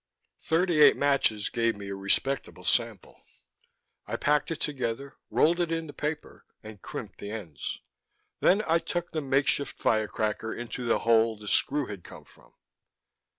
Thirty eight matches gave me a respectable sample. I packed it together, rolled it in the paper, and crimped the ends. Then I tucked the makeshift firecracker into the hole the screw had come from.